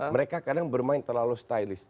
mereka kadang bermain terlalu stylist